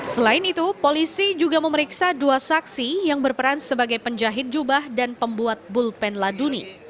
selain itu polisi juga memeriksa dua saksi yang berperan sebagai penjahit jubah dan pembuat bulpen laduni